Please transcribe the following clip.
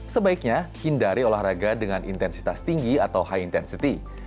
sebaiknya hindari olahraga dengan intensitas tinggi atau high intensity